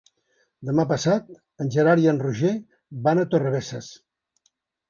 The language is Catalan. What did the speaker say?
Demà passat en Gerard i en Roger van a Torrebesses.